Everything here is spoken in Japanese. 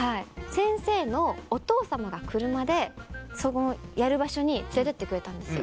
先生のお父様が車でそのやる場所に連れてってくれたんですよ。